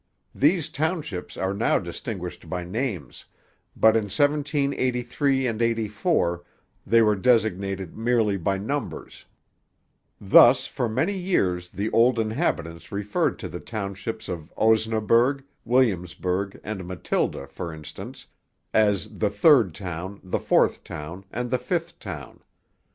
These townships are now distinguished by names, but in 1783 84 they were designated merely by numbers; thus for many years the old inhabitants referred to the townships of Osnaburg, Williamsburg, and Matilda, for instance, as the 'third town,' the 'fourth town,' and the 'fifth town.'